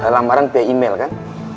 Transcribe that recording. lamaran via email kan